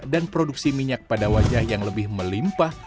dan produksi minyak pada wajah yang lebih melimpah